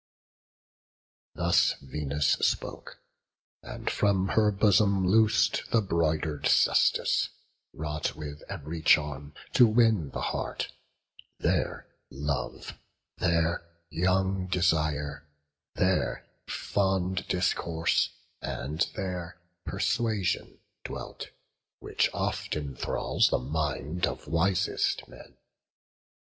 Thus Venus spoke; and from her bosom loos'd Her broider'd cestus, wrought with ev'ry charm To win the heart; there Love, there young Desire, There fond Discourse, and there Persuasion dwelt, Which oft enthralls the mind of wisest men.